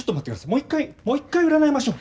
もう一回もう一回占いましょう。